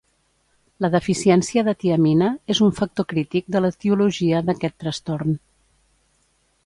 La deficiència de tiamina és un factor crític de l'etiologia d'aquest trastorn.